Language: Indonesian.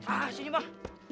ah senyum bang